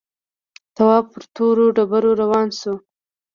تواب پر تورو ډبرو روان شو.